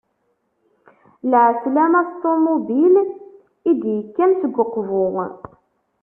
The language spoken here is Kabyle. Lɛeslama s ṭunubil, i d-yekkan seg Uqbu.